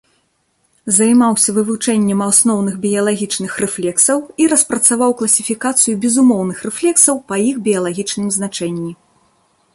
Займаўся вывучэннем асноўных біялагічных рэфлексаў і распрацаваў класіфікацыю безумоўных рэфлексаў па іх біялагічным значэнні.